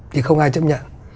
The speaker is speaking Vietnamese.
thì không ai chấp nhận